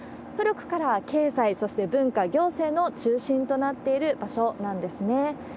古くから経済、そして文化、行政の中心となっている場所なんですね。